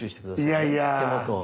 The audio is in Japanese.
いやいや。